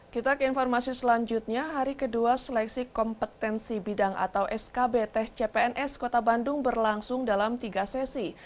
kita ke informasi selanjutnya hari kedua seleksi kompetensi bidang atau skb tes cpns kota bandung berlangsung dalam tiga sesi